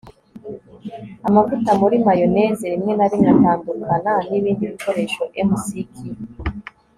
amavuta muri mayoneze rimwe na rimwe atandukana nibindi bikoresho. (mcq